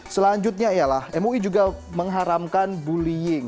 selanjutnya ialah mui juga mengharamkan bullying